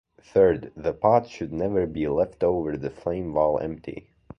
Third, the pot should never be left over the flame while empty.